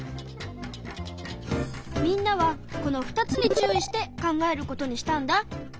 みんなはこの２つに注意して考えることにしたんだ。